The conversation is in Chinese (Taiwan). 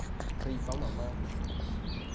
可以幫忙嗎